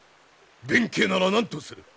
弁慶なら何とする。